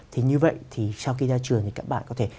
thì như vậy thì sau khi ra trường thì các bạn có thể